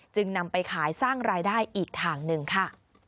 จึงนำไปขายสร้างรายได้อีกทางหนึ่งค่ะ